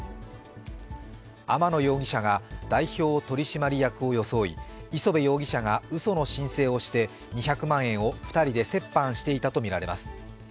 天野容疑者が、代表取締役を装い磯辺容疑者がうその申請をして２００万円を２人で折半していたとみられます。